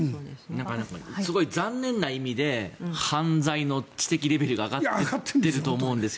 すごい残念な意味で犯罪の知的レベルが上がっていると思うんですよ。